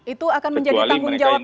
itu akan menjadi tanggung jawab